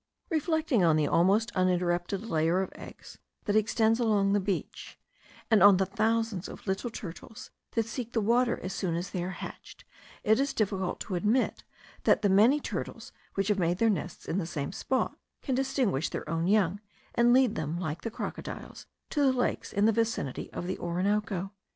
Reflecting on the almost uninterrupted layer of eggs that extends along the beach, and on the thousands of little turtles that seek the water as soon as they are hatched, it is difficult to admit that the many turtles which have made their nests in the same spot, can distinguish their own young, and lead them, like the crocodiles, to the lakes in the vicinity of the Orinoco.